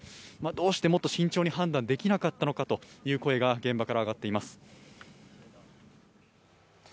どうしてもっと慎重に判断できなかったのかという声が現場から上がっています。